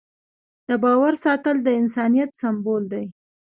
د باور ساتل د انسانیت سمبول دی.